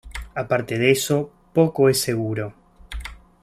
Aparte de eso, poco es seguro.